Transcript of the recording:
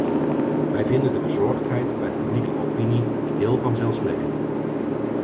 Wij vinden de bezorgdheid bij de publieke opinie heel vanzelfsprekend.